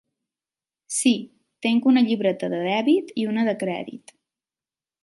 Sí, tinc una llibreta de dèbit i una de crèdit.